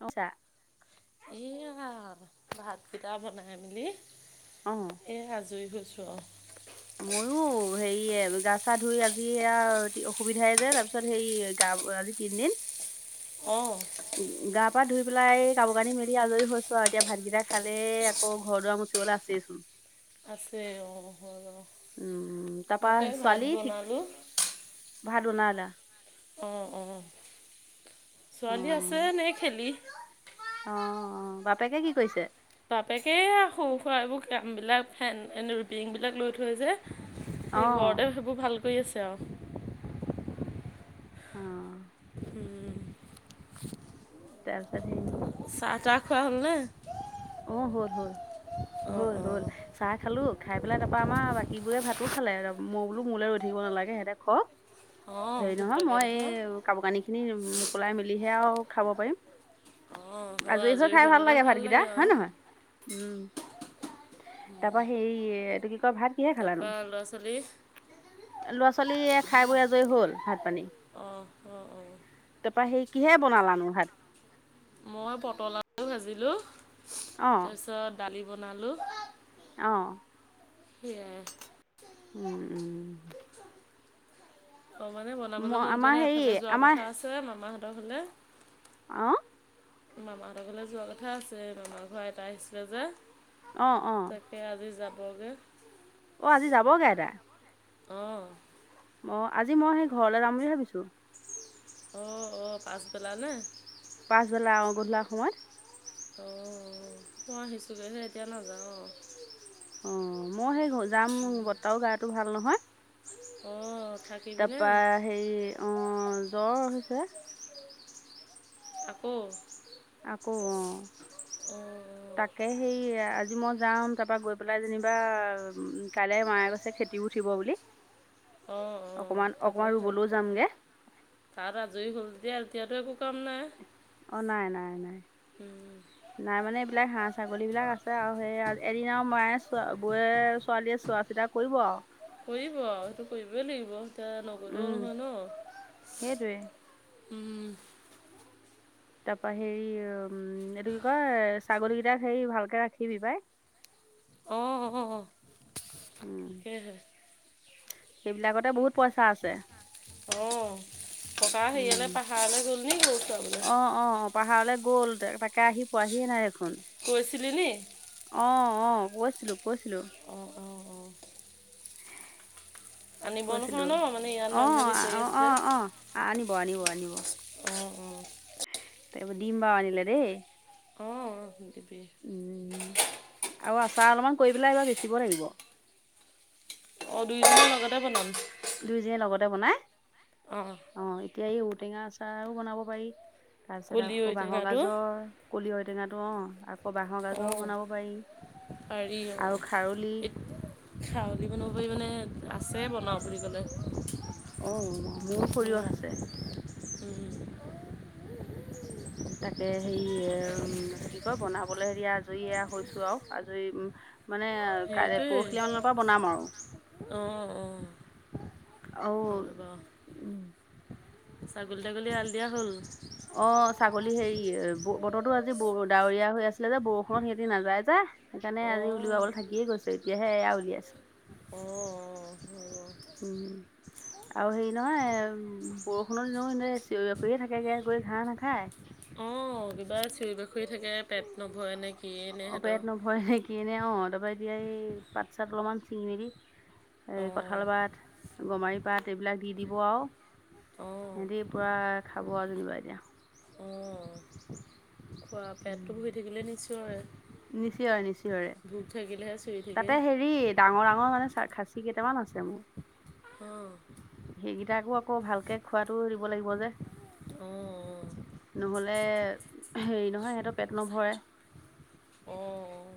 অ আচ্ছা। এয়া আ আ আ ভাতকিটা বনাই মেলি। অঁ অ অ। এই আজৰি হৈছোঁ আৰু মইও হেৰিয়ে গা চা ধুই আজি এয়া অসুবিধাই যে তাৰপিছত হেৰি গা বেয়া আজি তিনদিন। ছি ই ই ই ই ই ই ই ই--অ অহ। অ অ, গা-পা ধুই পেলাই এই কাপোৰ-কানি মেলি আজৰি হৈছো আৰু এতিয়া ভাতকেইটা খালে অ ঘৰ-দুৱাৰ মুচিবলৈ আছেইচোন। আছে অঁ অ অ হৈ গেলো উম তাৰপা মোকেই ভাত ছোৱালী ঠিক বনালোঁ। ভাত বনাইলা। অঁ অ অঁ অ অ, অ ছোৱালী আছে নে খেলি অ অ অ অ অ অ অ, বাপেকে কি কৈছে? বাপেকে সৰু সুৰা এইবোৰ কামবিলাক ফেন এনে ৰুটিংবিলাক লৈ থৈ যে। অ সেই ঘৰতে সেইবোৰ ভাল কৰি আছে আৰু অঁ অ অ অ অ। উম উ উহ। তাৰপিছত সেই। চাহ-তাহ খোৱা হ'ল নে? অ হ'ল হ'ল, অঁ হ'ল অঁ হ'ল হে হে। চাহ খালো খাই পেলাই তাৰপৰা আমাৰ বাকী বোৰে ভাতো খালে মই বোলো মোলৈ ৰৈ থাকিব নালাগে সিহঁতে খ অ অহ। হেৰি নহয় মই এই কাপোৰ-কানিখিনি মোকোলাই মেলিহে আৰু খাব পাৰিম। টুক হে হে, আজৰি হৈ খাই ভাল লাগে ভাতকেইটা। হয় নহয় উম উ উ, দে এ এ এ তাৰ পৰা হেৰি এ এ এইটো কি কয় ভাত কিহে খালানো তাৰপৰা ল'ৰা ছোৱালী ল'ৰা ছোৱালীয়ে খাই বৈ আজৰি হ'ল ভাত পানী অঁ অ অঁ তাৰ পা সেই কিহে বনালানো ভাত মই পটল আলু ভাজিলোঁ অ তাৰপিছত দালি বনালোঁ অ সেইয়াই উম উম উম অ মানে বনাবলৈ মই মন যোৱা আমাৰ নাই হেৰি এফালে যোৱাৰ আমাৰ কথা আছে মামাহঁতৰ ফালে অ মামাহঁতৰ ঘৰলৈ যোৱা কথা আছে মামাৰ ঘৰ এটা আহিছিলে যে অ অ সি আজি যাবগে অ' আজি যাবগে আইতা অঁ অ আজি মই সেই ঘৰলে যাম বুলি ভাবিছোঁ অ অ পাছবেলালে পাছবেলা অ গধূলা সময়ত অঁ মই আহিছোগে এতিয়া নাযাওঁ অ অ মই সেই ঘৰত যাম বৰতাও গাটো ভাল নহয় অ থাকিবি নে তাৰপা হেৰি অ জ্বৰ হৈছে আকৌ আকৌ অ উম তাকে সেই আজি মই যাম তাৰপা গৈ পেলাই যেনিবা উ কাইলে মায়ে গৈছে খেতিত খেটি উঠিব বুলি অ, অ, অকমান অকমান ঠাকেইহে ৰুবলৈও যামগে তাত আজৰি হ'ল তেতিয়াহ' এতিয়া টো একো কাম নাই অ, নাই-নাই-নাই উম, নাই মানে এইবিলাক হাঁহ ছাগলী বিলাক আছে আৰু সেই এদিন আৰু মায়ে বৌ ছোৱালীয়ে চোৱা চিতা কৰিব আৰু কৰিব সেইটো কৰিবই লাগিব এতিয়া নগ'লেও উম, নহয় ন সেইটোৱে উম, তাৰপা হেৰি উম, এইটো কি কয় ছাগলী কেইটাক হেৰি ভালকে ৰাখিবি পাই অ, অ, অ, উম, সেইহে সেইবিলাকতে বহুত পইচা আছে অ, ককা উম, হেয়ালে পাহাৰলৈ গ'ল নি গৰু চৰাবলৈ পাহাৰলে গ'ল তাকে আহি পোৱাহিয়ে নাই দেখোন কৈছিলি নি অ, অ, কৈছিলো-কৈছিলো অঁ, অঁ, অঁ, আনিব নহয় কৈছিলোঁ ন মানে ইয়াত অ, মানুহে বিচাৰি অ, আছিলে অ, অ, আনিব-আনিব-আনিব অ, অ, তব দিম ব আনিলে দেই অ'। কয় দিবি। আৰু আচাৰ অলপমান কৰি পেলাই এইবাৰ বেচিব লাগিব। অ', দুইদিনৰ লগতে বনাম। দুযইজনীয়ে লগতে বনাই অ'। অ', এতিয়া এই ঔটেঙা আচাৰও বনাব পাৰি তাৰপিছত কলি আকৌ বাঁহৰ ঔটেঙাটো গাজৰ কলি ঔ টেঙাটো অ', আকৌ বাঁহৰ অঁ গাজৰও বনাব পাৰি আৰু খাৰলি খৰলি বনাব পাৰি মানে, আছে বনাওঁ বুলি ক'লে অ মোৰ সৰিয়হ আছে উম, উম। তাকে সেই উম কি কয় বনাবলৈ হেৰিয়া আজৰি এয়া হৈছো আৰু আজৰি উম মানে কাইলে সেইটোৱেই পৰহি মানৰ পৰা বনাম আৰু। অ', অ'। ঔ অ'। উম। ছাগলী তাগলী এআল দিয়া হ'ল? অ', ছাগলী হেৰি বতৰৰতো আজি ডাৱৰীয়া হৈ আছিলে যে, বৰষুণত সিহঁতি নাযায় যে সেইকাৰণে আজি অঁ উলওাবলৈ থাকিয়ে গৈছে। এতিয়াহে এয়া উলিয়াইছে। অ', অ'। উম। আৰু হেৰি নহয় বৰষুণৰ দিনত এনে চিয়ৰি বাখৰীয়ে মানে, থাকেগে গৈ ঘাঁহ নাখায়। অ', কিবা চিয়ৰি বাখৰিয়ে থাকে পেট নভৰেনে কিয়ে নে সিহঁতৰ। হয় নে কি এনে অ', তাৰ পৰা এতিয়া এই পাত চাত অলপমান চিঙি মেলি এই অঁ কঁঠাল পাত গমাৰি পাট এইবিলাক দি দিব আৰু অঁ সিঁহতি পুৰা খাব আৰু যেনিবা এতিয়া। অঁ খোৱা পেটটো ভৰি থাকিলেই নিছিয়ৰে। নিচিয়ৰে-নিচিয়ৰে। ভুক থাকিলেহে চিঞৰি থাকে তাতে হেৰি ডাঙৰ ডাঙৰ মানে খাচী কেইটামান আছে মোৰ। অ'। সেইকিটাকৌ আকৌ ভালকে খোৱাটোৱ দিব লাগিব যে। অ'। নহ'লে হেৰি নহয় সিহঁতৰ পেট নভৰে। অ', অ'।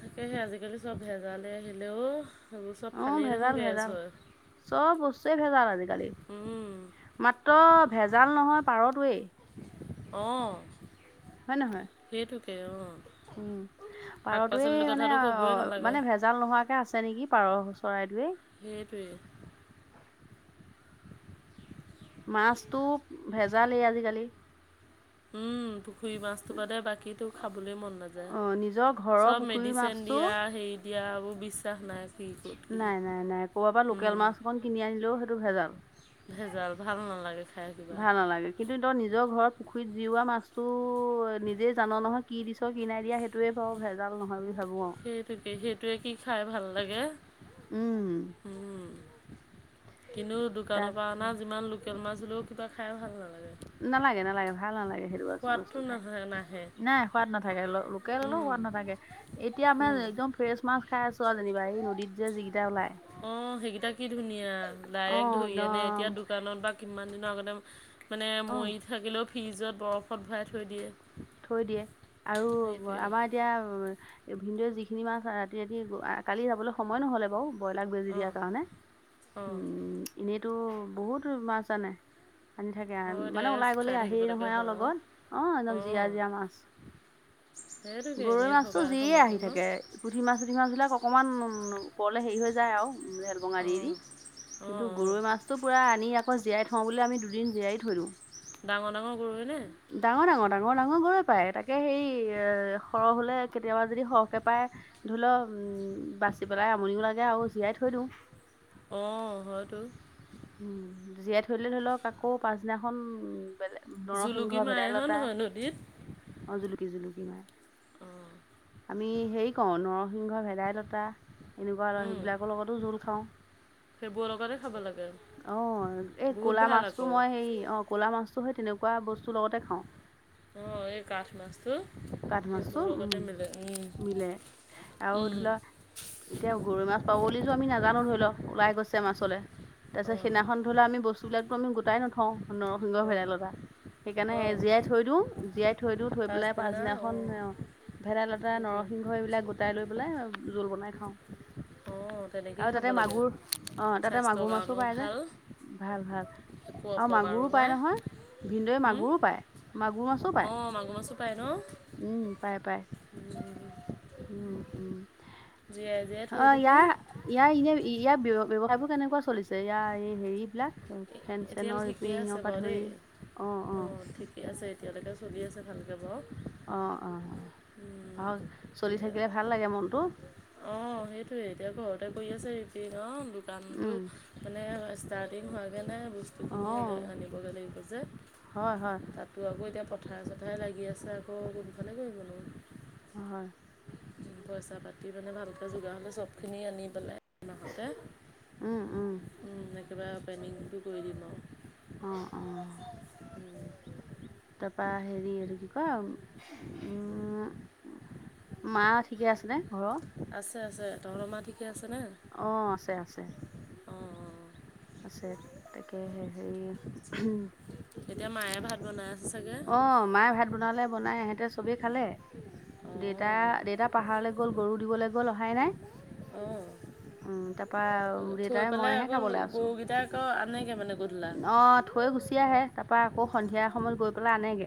তাকেহে আজিকালি চব ভেজালে আহিলে ও সেইবোৰ চব খালেই দেখোন গেছ হয়। সব বস্তুৱে ভেজাল আজিকালি। উম। মাত্ৰ ভেজাল নোহোৱা পাৰতোৱেই। অ'। হয় নহয়? সেইটোকে অ'। উম পাৰটোৱে মানে ক'বই অ' নালাগে মানে ভেজ ভেজাল নোৱাকে আছে নেকি পাৰ চৰাইটোৱে। সেইটোৱে। মাছটো ভেজালেই আজিকালি। উম',। পুখুৰী মাছটো বাদে বাকীটো খাবলৈ মন নাযায়, অ নিজৰ ঘৰৰ চব পুখুৰীৰ মেডিচিন মাছটো দিয়া হেই দিয়া এইবোৰ বিশ্বাস নাই। কি ক'ত কি নাই নাই নাই কৰ'বা পৰা লোকেল মাছ অকণ কিনি আনিলেও সেইটো ভেজাল। ভেজাল, ভাল নালাগে খাই কিবা। ভাল নালাগে কিন্তু তই নিজৰ ঘৰত পুখুৰীত জিওৱা মাছটো, নিজে জান নহয় কি দিছ। কিনাই দিয়া সেইটোৱে বাৰু ভেজাল নহয় ভাবোঁ আও। সেইটোকে সেইটোৱে কি খায় ভাল লাগে। উম',। উম', কিন্তু দোকানৰ তাক পৰা অনা যিমান ল' লোকেল মাছ হলেওঁ কিবা খায় ভাল নালাগে। নালাগে নালাগে ভাল নালাগে সেইটো সোৱাদটো বস্তু খাই। নাহে নাহে নাই সোৱাদ নাথাকে, লোকেল হলেওঁ সোৱাদ নাথাকে। এতিয়া আমাৰ একদম ফ্ৰেছ মাছ খাইছো আৰু যেনিবা এই নদীত যে যিকেইটা ওলাই। অ', সেইকেইটা কি ধুনীয়া অ ডাইৰেক্ট ধৰি আনে, একদম এতিয়া দুখ দোকানত বা কিমান দিনৰ আগতে, মানে অ মৰি থাকিলেও ফ্ৰিজত বৰফত ভৰাই থৈ দিয়ে। থৈ দিয়ে আৰু সেইটোৱে আমাৰ এতিয়া ভিনদেউ যিখিনি মাছ ৰাতি ৰাতি কালি যাবলৈ সময় নহ'লে বাৰু। ব্ৰইলাৰ বেজি অঁ দিয়াৰ কাৰণে, অঁ উম' এনেইতো বহুত মাছ আনে। আনি থাকে আৰু হয় দে মানে ওলাই গ'লে খাই আহেই থাকিবলৈকে নহয় এওঁৰ হয় আৰু লগত। অ' জীয়া অঁ জীয়া মাছ, সেইটোকে গৰৈ এনেই মাছটো থকা জীয়াই আহি সময়কণত থাকে। পুঠি মাছ চুঠি মাছবিলাক অকণমান পৰিলে হেৰি হৈ যায় অঁ আৰু। অঁ কিন্তু অঁ গৰৈ মাছটো পুৰা আনি আকৌ জীয়াই থওঁ বুলি আমি দুদিন জীয়াই থৈ দিওঁ। ডাঙৰ ডাঙৰ গৰৈ নে? ডাঙৰ ডাঙৰ ডাঙৰ ডাঙৰ গৰৈ পায় তাকে, সেই সৰু হ'লে কেতিয়াবা যদি সৰুকৈ পায়। ধৰি লওঁ উম বাচিবলৈ আমনিও লাগে আৰু জীয়াই থৈ দিওঁ। অ', হয়তো। উম', জীয়াই থৈ দিলে ধৰি লওক আকৌ পাছদিনাখন বেলেগ জুলুকি নৰসিংহ, মাৰে হয় ভেদাইলতা নহয় নদীত অ' জুলুকি জুলুকি মাৰ আমি হেৰি কৰো নৰসিংহ, ভেদাইলতা। এনেকুৱা আৰু সেইবিলাকৰ লগতো জোল খাওঁ। সেইবোৰ লগতে খাব লাগে। অ', এই বহুত ক'লা ভাল মাছটো আকৌ মই হেই অ' ক'লা মাছটো সেই তেনেকুৱা বস্তু লগতে খাওঁ। অ', এই কাঠ মাছটো কাঠ মাছটো সেইবোৰৰ উম, লগতে মিলে, মিলে উম',। আৰু ধৰি ল' এতিয়া গৰৈ মাছ পাব বুলি টো আমি নাজানো ধৰি লওক, ওলাই গৈছে মাছলৈ। তাৰপিছত অঁ সেইদিনাখন ধৰি ল' আমি বস্তুবিলাক টো আমি গোটাই নথওঁ। নৰসিংহ, অঁ ভেদাইলতা সেইকাৰণে অঁ এ' জীয়াই থৈ দিওঁ। জীয়াই থৈ দিওঁ থৈ পেলাই পাছদিনা পাছদিনাখন অঁ অ' ভেদাইলতা, সেইটোৱে নৰসিংহ এইবিলাক গোটাই লৈ পেলাই জোল বনাই খাওঁ। অঁ তেনেকেই আৰু খাব তাতে লাগে মাগুৰ অ' তাতে স্বাস্থ্যৰ মাগুৰ মাছো কাৰণেও পাই যে। ভাল ভাল ভাল একো আৰু অপকাৰো মাগুৰো পাই নহয়, নাই ভিনদয়ে মাগুৰো পায়। মাগুৰ মাছ অ', মাগুৰ মাছো পায় ন'? উম, পাই পায়। উম উম, উম জীয়াই থৈ অ', দিবি ইয়াৰ ইয়াৰ এনে ইয়াৰ ব্যয় বাৱসাই বোৰ কেনেকুৱা চলিছে ইয়াৰ এই হেৰি বিলাক? এতিয়ালৈ ঠিকে আছে বাৰু দেই অ অ অঁ', ঠিক ঠিকে আছে এতিয়ালেকে চলি আছে ভালকে বাৰু। অ', অ', উম, হক চলি থাকিলে ভাল লাগে মনটো। অ', সেইটোয়ে এতিয়া ঘৰতে কৰি আছে ৰিপিয়েৰিঙৰ দোকানটো উম মানে ষ্টাৰ্টিং হোৱাগে নাই বস্তু অ খিনি আনি আনিবগে লাগিব যে হয় হয় তাত ল'ৰা বোৰ এতিয়া পথাৰে চথাৰে লাগি আছে আকৌ কোনফালে কৰিবনো। হয়। উম, পইচা পাতি মানে ভালকে যোগাৰ হ'লে চবখিনি আনি পেলাই এমাহতে উম, উম। উম, একেবাৰে অপেনিংটো কৰি দিম আৰু অঁ', অঁ'। তাপা হেৰি এটো কি কয় উম, মা ঠিকে আছেনে ঘৰৰ আছে আছে তহতৰ মা ঠিকে আছেনে? অঁ', আছে আছে। অঁ আছে তাকে হেৰি উম এতিয়া মায়ে ভাত বনাই আছে চাগে? অ', মায়ে ভাত বনালে বনাই এহেঁতে চবেই খালে। দেউতা অঁ দেউতা পাহাৰলৈ গ'ল গৰু দিবলৈ গ'ল অহাই নাই। উম তাৰপা অহ। থৈ দেউতাই পেলাই মইহে আকৌ খাবলৈ আছো গৰুগিটা আকৌ আনেগে মানে গধূলা অ' থৈ গুচি আহে তাপা আকৌ সন্ধিয়া সময়ত গৈ পেলাই আনেগে।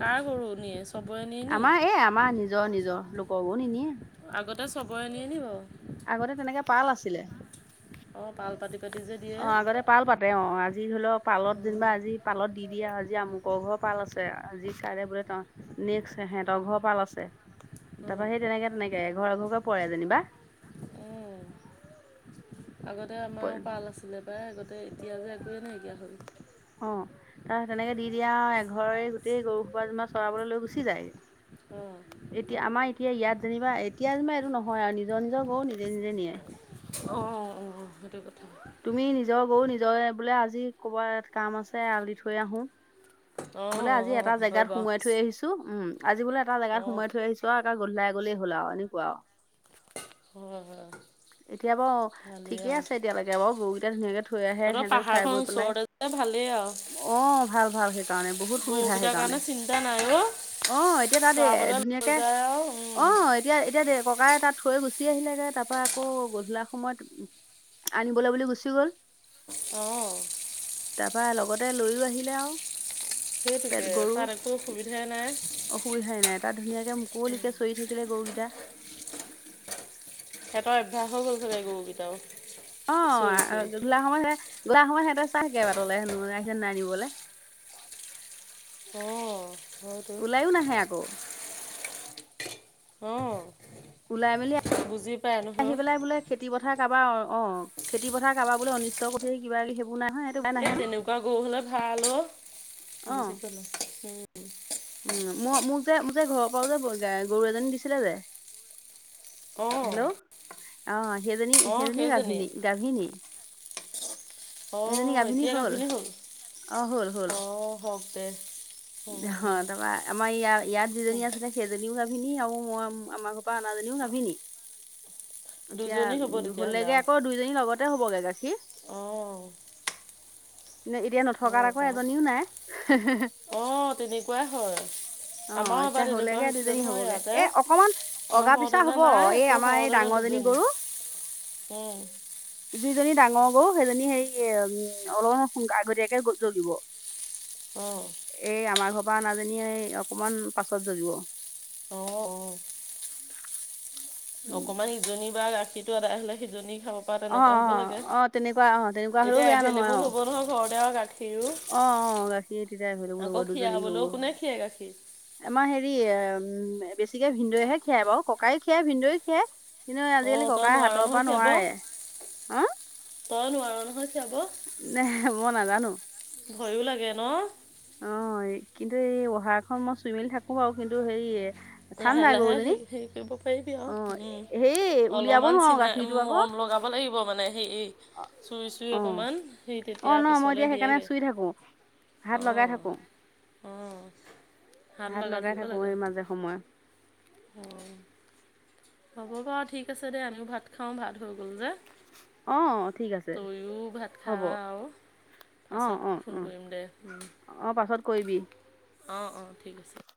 কাৰ গৰু নিয়ে চবৰে নিয়ে নি আমাৰ এই আমাৰ নিজৰ নিজৰ লোকৰ গৰু নিনিয়ে। আগতে চবৰে নিয়ে নি বাৰু? আগতে তেনেকে পাল আছিলে। অ', পাল পাতি পাতি যে দিয়ে। অ' আগতে পাল পাতে অ', আজি ধৰি ল পালত যেনিবা আজি পালত দি দিয়ে আজি আমুকৰ ঘৰৰ পাল আছে আজি কাইলে বোলে ত নেক্সট সিহঁতৰ ঘৰৰ পাল আছে। তা পা অঁ সেই তেনেকে তেনেকে এঘৰ এঘৰকে পৰে যেনিবা। অঁ আগতে অ আমাৰো পাল আছিলে পাই আগতে এতিয়া যে একোৱেই নাইকিয়া হ'ল। অ', তাৰ তেনেকে দি দিয়ে আউ এঘৰেই গোটেই গৰু সোপা যেনিবা চৰাবলে লৈ গুচি যায়গে উম এতিয়া আমাৰ এতিয়া ইয়াত যেনিবা এতিয়া যেনিবা এইটো নহয় আৰু নিজৰ নিজৰ গৰু নিজে নিজে নিয়ে। অ', অ', অ সেইটো কথা। তুমি নিজৰ গৰু নিজৰ বোলে আজি ক'বাত কাম আছে এৰাল দি থৈ আহো। অঁ বোলে অঁ আজি অঁ এটা হয় জেগাত বাৰু সোমোৱাই থৈ আহিছো। টো, উম, আজি বোলে এটা জেগাত অঁ সোমাই থৈ আহছো আউ, এটা গধূলাই গলেই হল আউ এনেকুৱা আউ হয় হয় এতিয়া বাৰু, ভালেই ঠিকেই আৰু আছে এতিয়ালেকে বাৰু, গৰুগিটা ধুনীয়াকে থৈ আহে তহঁতৰ সিহতেও খাই পাহাৰখন বৈ পেলাই, ওচৰতে যে অ', ভাল ভাল সেই গৰুগিতা কাৰনে চিন্তা নাই অ'। অ' এতিয়া তাতে চৰাবলৈ লৈ ধুনীয়াকে, যায় আৰু উম, অ'। এতিয়া, এতিয়া দে ককাই তাত থৈ গুচি আহিলেগে, তাৰ পা- আকৌ গধূলা সময়ত আনিবলৈ বুলি গুচি গ'ল। অ'। তাৰপৰা লগতে লৈয়ো আহিলে আও। সেইটোকেই তাত একো অসুবিধাই নাই। অসুবিধাই নাই, তাত ধুনীয়াকে মুকলিকে চৰি থাকিলে গৰুকেইটা। সিহঁতৰ অভ্যাস হৈ গ'ল চাগে গৰুকেইটাও। অ', চৰি চৰি গধূলা সময়ত সিহঁতে, গধূলা সময়ত সিহঁতে চাইথাকে বাটলে হেনো ওলাইছে নাই নিবলে। অ হয়তো। ওলাইও নাহে আকৌ অ' ওলাই মেলি বুজি পায় আহি নহয়। পেলাই বোলে খেতি পথাৰ কাৰবাৰ অ', খেতি পথাৰ কাৰবাৰ বোলো অনিষ্ট কৰিছেহি কিবা কি- এই তেনেকুৱা গৰু হ'লে ভাল অ'। অ বুজি পালা? উম। মো মোক যে মোক যে ঘৰৰ পৰাও যে বগা গৰু এজনী দিছিলে যে, অঁ হেল্ল', অহ সেইজনী সেইজনী গাভিনী গাভিনী। অ', এতিয়া গাভিনী হ'ল, অ অ' হওক দে। অঁ হ, তাৰপৰা আমাৰ ইযাৰ ইয়াত যিজনী আছিলে- সেইজনীও গাভিনী আৰু মই আমাৰ ঘৰৰ পৰা অনাজনীও গাভিনী। এতিয়া দুজনী হ'ব তেতিয়াহ'লে হলেগে আৰু আকৌ দুইজনী লগতেই হবগে গাখীৰ। অঁ এতিয়া নথকাত আকৌ এজনীও নাই। হেহেহে অ', তেনেকুৱাই হয়। আমাৰো অ', এবাৰ এতিয়া তেনেকুৱা হলেগে হৈছিলে দুইজনী নহয় হবগে, ইয়াতে এ অকমান অগা পিছা নহওঁতেনে হব, নাই এই আকৌ আমাৰ এই হওঁতেনে ডাঙৰজনী- দুজনী গৰু। উম। যিজনী ডাঙৰ গৰু সেইজনী সেই উম অলপমান আগতীয়াকে জগিব। অহ। এই আমাৰ ঘৰৰ পৰা অনাজনী এই অকমান পাছত জগিব। অ', অ'। উম অকমান ইজনীৰ বা গাখীৰটো আদায় হলে সিজনী খাব- পৰা অ তেনেকুৱা হ'ব লাগে। অ অ তেনেকুৱা অ তেনেকুৱা হ'লেও এতিয়া বেয়া নহয় অ এভেইলেবল হ'ব নহয় ঘৰতে আৰু গা- খীৰো। অ অ গাখীৰ তেতিয়া এভেইলেবল হ'ব আকৌ দুজনী গৰু খীৰাবলেও কোনে হ'লে। খীৰাই গাখীৰ? আমাৰ হেৰি এ, বেছিকে ভিনদেৱেহে খীৰাই বাৰু ককাই খীৰাই ভিনদেও খীৰাই। কিন্তু অঁ আজিকালি তই ককাই নোৱাৰ হাতৰ নহয় পৰা খীৰাব নোৱাৰে। অহ। তই নোৱাৰ নহয় খীয়াব? এহ, মই নাজানো। ভয়ো লাগে ন'? অ', কিন্তু এই উহাৰখন মই চুই মেলি থাকো বাৰু, কিন্তু হেৰি- লাহে ঠাণ্ডা লাহে গৰুজনী হেৰি হেৰি কৰিব পাৰিবি অ আৰু। উম, হেৰি উলিয়াব অলপমান নোৱাৰো চিনাই গাখীৰটো আকৌ মৰম লগা- ব লাগিব মানে, হেৰি- চুই চুই অ অকমান, সেই অ তেতিয়া ন মই এতিয়া পিছলৈ সেইকাৰণে দিয়েগে। চুই থাকো হাত লগাই থাকো। হাত লগাই থাকো এই মাজে সময়ে। অ। হ'ব বাৰু ঠিক আছে দে আমিও ভাত খাওঁ, ভাত হৈ গ'ল যে। অ ঠিক আছে তয়ো, ভাত হ'ব খাওঁ অ', পাছত অ', ফোন অ', কৰিম, দে। উম, অ, পাছত কৰিবি। অ, অ, ঠিক আছে।